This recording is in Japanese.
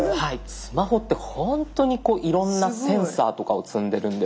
スマホってほんとにこういろんなセンサーとかを積んでるんです。